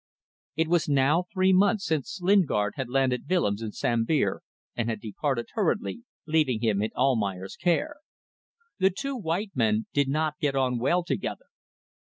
It was now three months since Lingard had landed Willems in Sambir and had departed hurriedly, leaving him in Almayer's care. The two white men did not get on well together.